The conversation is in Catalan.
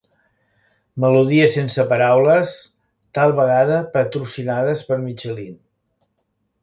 Melodies sense paraules, tal vegada patrocinades per Michelin.